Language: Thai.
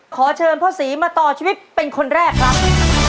ขอเชิญพ่อศรีมาต่อชีวิตเป็นคนแรกครับ